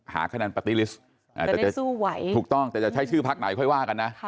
หาขนาดปฏิลิสต์จะได้สู้ไหวถูกต้องแต่จะใช้ชื่อพักไหนค่อยว่ากันนะค่ะ